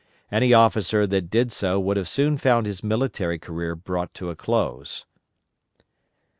Any officer that did so would have soon found his military career brought to a close.